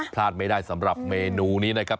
พลาดไม่ได้สำหรับเมนูนี้นะครับ